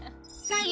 はい。